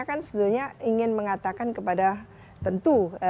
maksudnya kan seharusnya ingin mengatakan kepada tentu